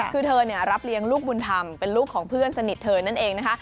คือเธอรับเลี้ยงลูกบุญธรรมเป็นลูกของเพื่อนสนิทเธอนั่นเองนะคะ